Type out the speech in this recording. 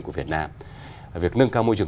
của việt nam việc nâng cao môi trường